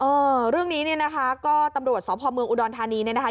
เออเรื่องนี้เนี่ยนะคะก็ตำรวจสพเมืองอุดรธานีเนี่ยนะคะ